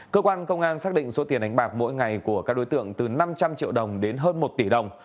cơ quan công an xác định số tiền đánh bạc mỗi ngày của các đối tượng từ năm trăm linh triệu đồng đến hơn một tỷ đồng